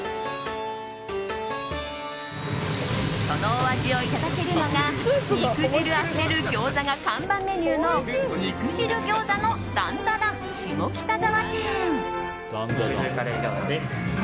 そのお味をいただけるのが肉汁あふれる餃子が看板メニューの肉汁餃子のダンダダン下北沢店。